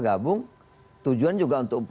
gabung tujuan juga untuk